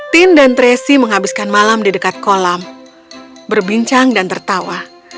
tin dan tracy menghabiskan malam di dekat kolam berbincang dan tertawa